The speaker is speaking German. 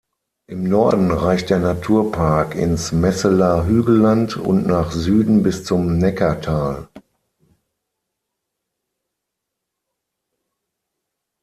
Im Norden reicht der Naturpark ins Messeler Hügelland und nach Süden bis zum Neckartal.